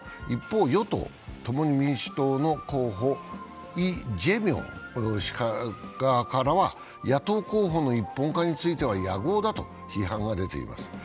一方与党、共に民主党の候補、イ・ジェミョン氏側からは野党候補の一本化については野合だと批判が出ています。